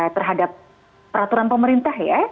terhadap peraturan pemerintah ya